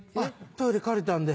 「トイレ借りたんで」？